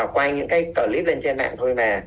quay những cái clip lên trên mạng thôi mà